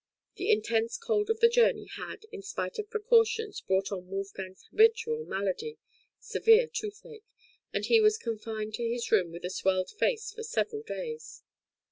The intense cold of the journey had, in spite of precautions, brought on Wolfgang's habitual malady, severe toothache, and he was confined to his room with a swelled face for several days.